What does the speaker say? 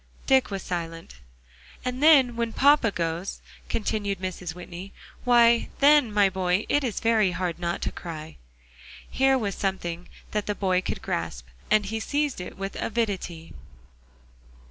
Dick was silent. "And then when papa goes," continued Mrs. Whitney, "why, then, my boy, it is very hard not to cry." Here was something that the boy could grasp; and he seized it with avidity.